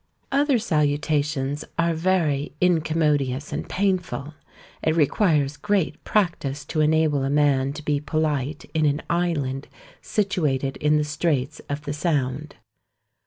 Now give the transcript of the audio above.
Other salutations are very incommodious and painful; it requires great practice to enable a man to be polite in an island situated in the straits of the Sound.